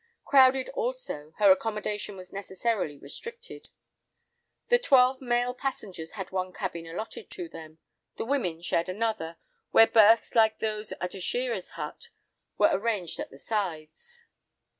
Crowded also, her accommodation was necessarily restricted. The twelve male passengers had one cabin allotted to them. The women shared another, where berths like those at a shearer's hut were arranged at the sides.